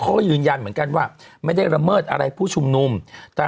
เขาก็ยืนยันเหมือนกันว่าไม่ได้ละเมิดอะไรผู้ชุมนุมแต่